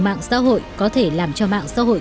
mạng xã hội có thể làm cho mạng xã hội